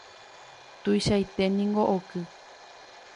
tuichaiténiko oky